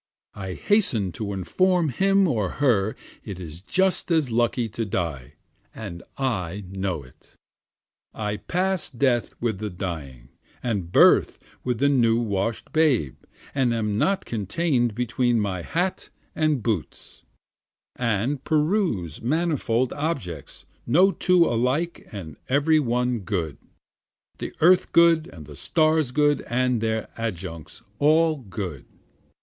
I hasten to inform him or her it is just as lucky to die, and I know it. I pass death with the dying and birth with the new wash'd babe, and am not contain'd between my hat and boots, And peruse manifold objects, no two alike and every one good, The earth good and the stars good, and their adjuncts all good.